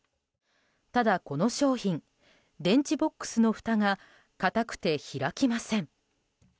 ただ、この商品電池ボックスのふたがかたくて開きません。